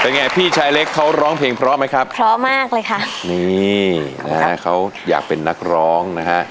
เป็นไงพี่ชายเล็กเขาร้องเพลงพร้อมไหมครับพร้อมมากเลยค่ะนี่เขาอยากเป็นนักร้องนะฮะ